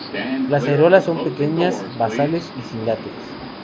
Las areolas son pequeñas, basales y sin látex.